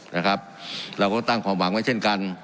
นะครับเราก็ตั้งความหวังไว้เช่นกัน